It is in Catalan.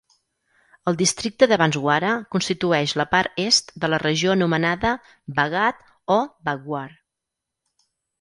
El districte de Banswara constitueix la part est de la regió anomenada Vagad o Vagwar.